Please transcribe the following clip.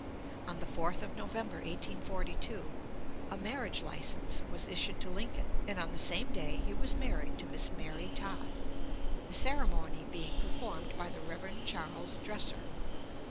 On the 4th of November, 1842, a marriage license was issued to Lincoln, and on the same day he was married to Miss Mary Todd, the ceremony being performed by the Rev. Charles Dresser.